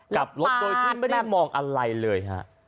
กลับรถโดยที่ไม่ได้มองอะไรเลยฮะ